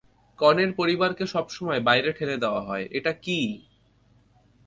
কনের পরিবারকে সবসময়, বাইরে ঠেলে দেওয়া হয়, এটা কি?